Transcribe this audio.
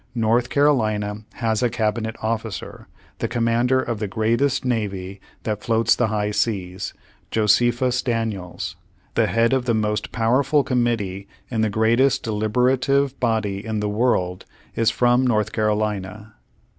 North Carolina has a cabinet ofiicer, the commander of the greatest navy that floats the high seas, Josephus Daniels. The head of the most powerful com mittee in the greatest deliberative body in the world, is from North Carolina.